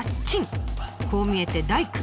こう見えて大工。